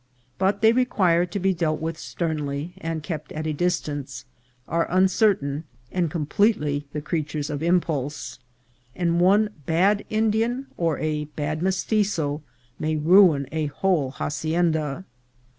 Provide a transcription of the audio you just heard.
But they require to be dealt with sternly, and kept at a distance ; are uncertain, and completely the creatures of impulse ; and one bad Indian or a bad Mestitzo may ruin a whole hacienda.